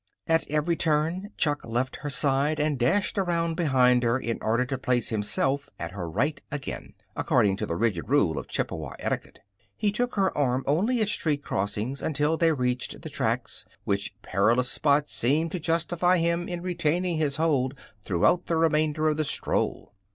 At every turn Chuck left her side and dashed around behind her in order to place himself at her right again, according to the rigid rule of Chippewa etiquette. He took her arm only at street crossings until they reached the tracks, which perilous spot seemed to justify him in retaining his hold throughout the remainder of the stroll.